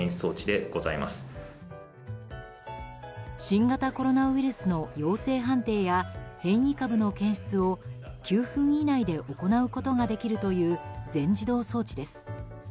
新型コロナウイルスの陽性判定や変異株の検出を９分以内で行うことができるという全自動装置です。